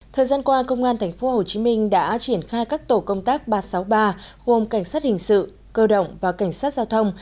thời gian qua công an tp hcm đã triển khai các tổ công tác ba trăm sáu mươi ba gồm cảnh sát hình sự cơ động và cảnh sát giao thông